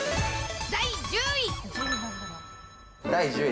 第１０位。